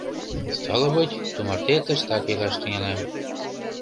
Стало быть, тумарте тыштак илаш тӱҥалам.